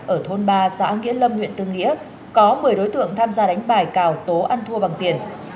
ở thôn ba xã nghĩa lâm huyện tư nghĩa có một mươi đối tượng tham gia đánh bài cào tố ăn thua bằng tiền